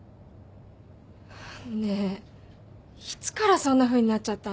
ねえいつからそんなふうになっちゃったの？